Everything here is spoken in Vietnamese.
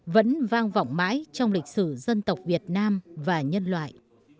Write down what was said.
vẫn vang vọng mãi trong lịch sử dân tộc việt nam và nhân loại